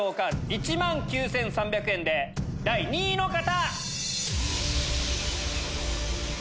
１万９３００円で第２位の方！